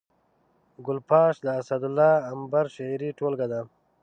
ګل پاش د اسدالله امبر شعري ټولګه ده